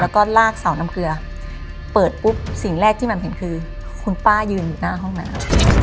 แล้วก็ลากเสาน้ำเกลือเปิดปุ๊บสิ่งแรกที่แหม่มเห็นคือคุณป้ายืนอยู่หน้าห้องน้ำ